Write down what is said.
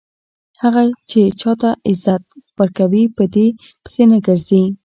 هغه چې چاته عزت ورکوي په دې پسې نه ګرځي.